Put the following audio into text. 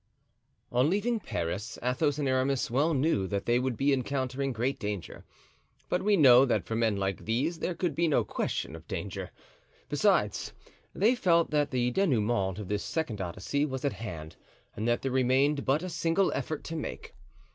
On leaving Paris, Athos and Aramis well knew that they would be encountering great danger; but we know that for men like these there could be no question of danger. Besides, they felt that the dénouement of this second Odyssey was at hand and that there remained but a single effort to make.